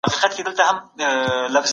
تر راتلونکي کال به زه فارغ سوی یم.